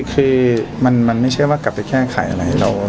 คือมันไม่ใช่ว่ากลับไปแก้ไขอะไร